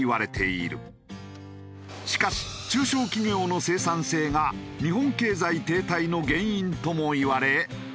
しかし中小企業の生産性が日本経済停滞の原因ともいわれ。